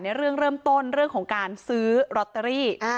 เรื่องเริ่มต้นเรื่องของการซื้อลอตเตอรี่